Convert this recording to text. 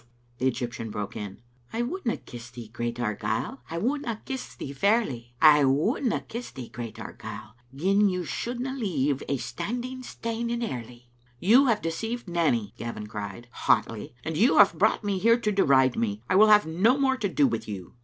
The Egyptian broke in — "*I wouldna kiss thee, great Argyle, I wouldna kiss thee fairly ; I wonldna kiss thee, great Argyle, Gin yon shouldna leave a standing stane in Airly. '" "You have deceived Nanny," Gavin cried, hotly, " and you have brought me here to deride me. I will have no more to do with you.